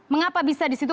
mengapa bisa di situ